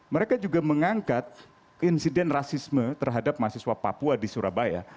mereka juga mengangkat insiden rasisme terhadap mahasiswa papua di surabaya